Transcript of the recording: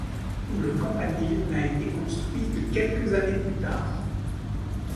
Le campanile n'a été construit que quelques années plus tard.